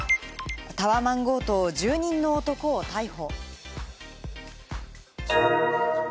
タワマン強盗、住人の男を逮捕。